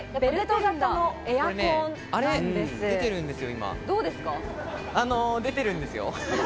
風が出ているんですよ。